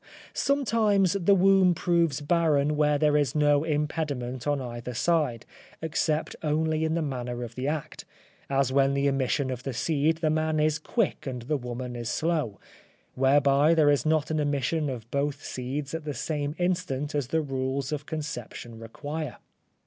Sometimes the womb proves barren where there is no impediment on either side, except only in the manner of the act; as when in the emission of the seed, the man is quick and the woman is slow, whereby there is not an emission of both seeds at the same instant as the rules of conception require.